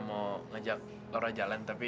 gue kesini bukan mau ngajak laura jalan tapi